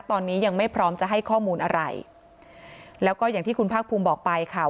ตอนนี้ยังไม่พร้อมจะให้ข้อมูลอะไรแล้วก็อย่างที่คุณภาคภูมิบอกไปค่ะ